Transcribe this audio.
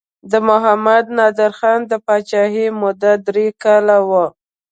د محمد نادر خان د پاچاهۍ موده درې کاله وه.